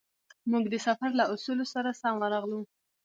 موږ د سفر له اصولو سره سم ورغلو.